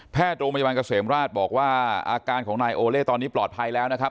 โรงพยาบาลเกษมราชบอกว่าอาการของนายโอเล่ตอนนี้ปลอดภัยแล้วนะครับ